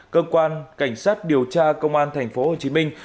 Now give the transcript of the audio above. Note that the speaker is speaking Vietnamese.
cơ quan cảnh sát điều tra công an tp hcm